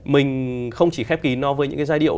mình không chỉ khép kín no với những cái giai điệu